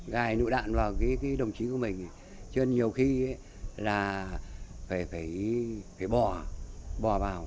gai nụ đạn vào cái đồng chí của mình chứ nhiều khi là phải bò vào